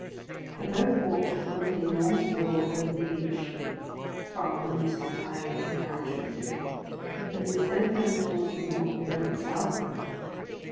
They both walked to the foot of the enormous wall over the beach, far from which the tide had now retreated; but instead of going towards the north, they went southward.